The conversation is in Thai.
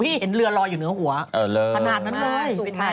เห็นเรือลอยอยู่เหนือหัวขนาดนั้นเลย